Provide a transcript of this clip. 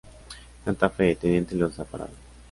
Santa Fe; Teniente Loza; Parada.